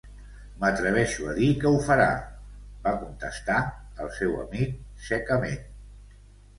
"M'atreveixo a dir que ho farà", va contestar el seu amic, secament.